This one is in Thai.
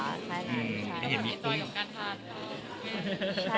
ใช่แล้วเกิดที่ใจกับการทานของเขา